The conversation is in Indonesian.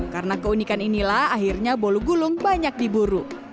karena keunikan inilah akhirnya bolu gulung banyak diburu